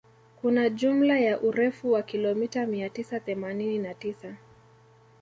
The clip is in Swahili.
Kuna jumla ya urefu wa kilomita mia tisa themanini na tisa